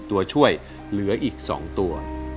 ตัวช่วยเหลืออีก๒ตัว